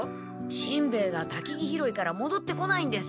しんべヱがたきぎ拾いからもどってこないんです。